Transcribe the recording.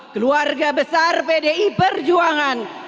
keluarga besar pdi perjuangan